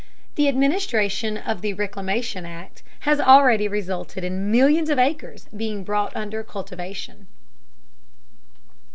The administration of the Reclamation Act has already resulted in millions of acres being brought under cultivation.